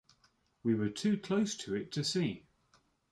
We were too close to it to see.